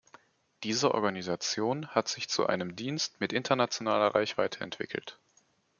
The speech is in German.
Diese Organisation hat sich zu einem Dienst mit internationaler Reichweite entwickelt.